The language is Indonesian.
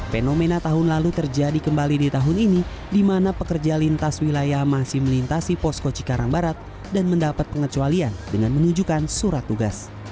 fenomena tahun lalu terjadi kembali di tahun ini di mana pekerja lintas wilayah masih melintasi posko cikarang barat dan mendapat pengecualian dengan menunjukkan surat tugas